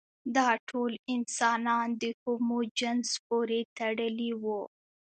دا ټول انسانان د هومو جنس پورې تړلي وو.